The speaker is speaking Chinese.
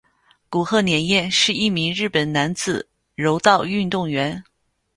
古贺稔彦是一名日本男子柔道运动员。